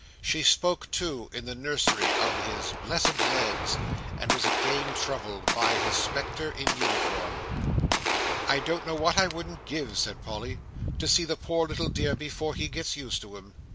She spoke, too, in the nursery, of his "blessed legs," and was again troubled by his spectre in uniform. "I don't know what I wouldn't give," said Polly, "to see the poor little dear before he gets used to 'em."